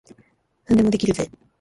何でもできるぜ。